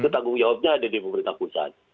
tanggung jawabnya ada di pemerintah pusat